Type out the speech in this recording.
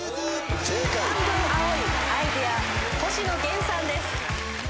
『半分、青い。』『アイデア』星野源さんです。